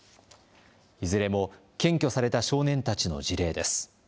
いずれも検挙された少年たちの事例です。